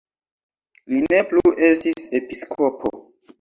Li ne plu estis episkopo.